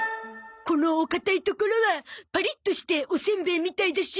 このお硬いところはパリッとしておせんべいみたいだし。